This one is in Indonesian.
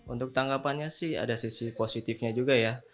untuk tanggapannya sih ada sisi positifnya juga ya